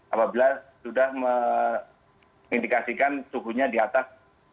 apabila sudah mengindikasikan suhunya di atas tiga puluh delapan